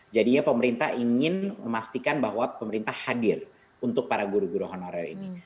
jadinya pemerintah ingin memastikan bahwa pemerintah hadir untuk para guru guru honorer ini